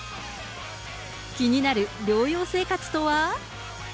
気になる療養生活とは？